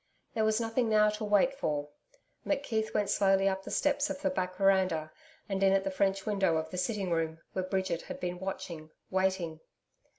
There was nothing now to wait for. McKeith went slowly up the steps of the back veranda, and in at the French window of the sitting room, where Bridget had been watching, waiting.